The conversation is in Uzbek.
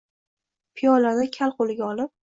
Piyolani kal qo‘liga olib